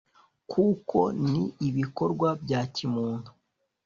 kuko ni ibikorwa bya kimuntu